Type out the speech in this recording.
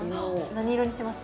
何色にします？